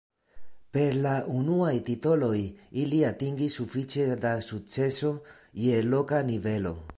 Per la unuaj titoloj ili atingis sufiĉe da sukceso je loka nivelo.